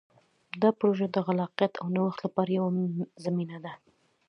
دا پروژه د خلاقیت او نوښت لپاره یوه زمینه ده.